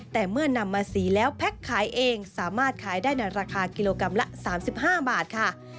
แต่เมื่อนำมาสีแล้วแพ็คขายเองสามารถขายได้ในราคากิโลกรัมละ๓๕บาทค่ะ